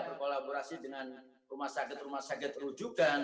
berkolaborasi dengan rumah sakit rumah sakit rujukan